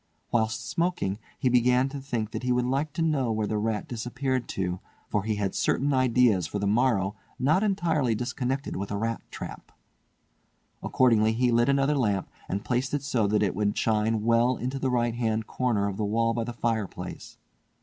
Whilst smoking he began to think that he would like to know where the rat disappeared to, for he had certain ideas for the morrow not entirely disconnected with a rat trap. Accordingly he lit another lamp and placed it so that it would shine well into the right hand corner of the wall by the fireplace.